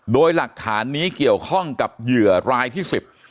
โดยหลักฐานนี้เกี่ยวข้องกับเหยื่อรายที่สิบ